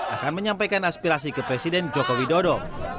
akan menyampaikan aspirasi ke presiden joko widodo